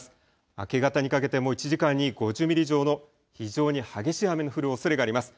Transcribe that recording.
明け方にかけても１時間に５０ミリ以上の非常に激しい雨の降るおそれがあります。